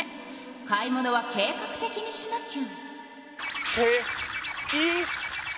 買い物は計画的にしなきゃ。